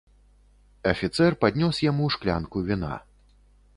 Афіцэр паднёс яму шклянку віна.